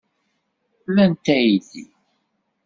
Lant aydi.